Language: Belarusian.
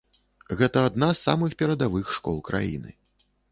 Гэта адна з самых перадавых школ краіны.